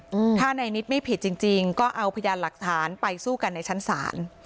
อืมถ้าในนิดไม่ผิดจริงจริงก็เอาพยานหลักฐานไปสู้กันในชั้นศาล